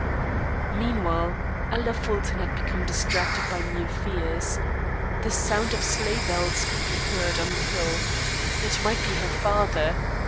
Meanwhile, Ella Fulton had become distracted by new fears. The sound of sleigh bells could be heard on the hill. It might be her father.